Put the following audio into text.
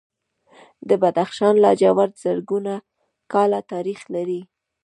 د بدخشان لاجورد زرګونه کاله تاریخ لري